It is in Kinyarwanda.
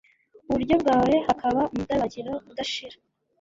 iburyo bwawe hakaba umudabagiro udashira